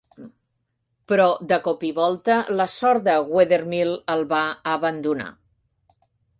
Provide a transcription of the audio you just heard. Però de cop i volta la sort de Wethermill el va abandonar.